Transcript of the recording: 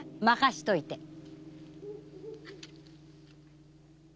まかしといて。